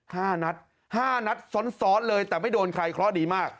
ห้านัดห้านัดซ้อนซ้อนเลยแต่ไม่โดนใครเคราะห์ดีมาก